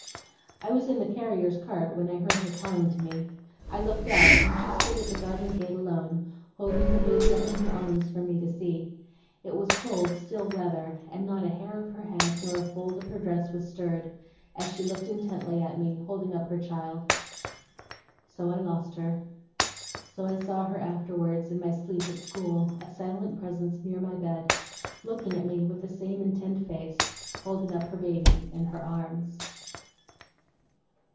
I was in the carrier's cart when I heard her calling to me. I looked out, and she stood at the garden gate alone, holding her baby up in her arms for me to see. It was cold still weather; and not a hair of her head, nor a fold of her dress, was stirred, as she looked intently at me, holding up her child. So I lost her. So I saw her afterwards, in my sleep at school a silent presence near my bed looking at me with the same intent face holding up her baby in her arms.